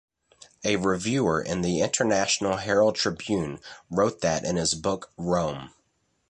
A reviewer in "The International Herald Tribune" wrote that in his book "Roam.